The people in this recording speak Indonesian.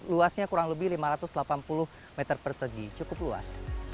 luasnya kurang lebih lima ratus delapan puluh meter persegi cukup luas